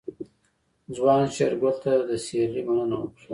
ځوان شېرګل ته د سيرلي مننه وکړه.